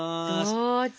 どうぞ！